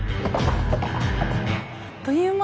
あっという間！